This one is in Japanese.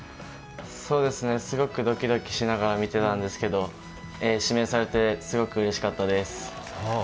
すごくドキドキしながら見てたんですけど、指名されてすごくうれしかったです。